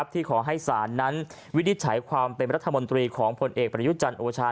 ที่ขอให้ศาลนั้นวินิจฉัยความเป็นรัฐมนตรีของผลเอกประยุจันทร์โอชา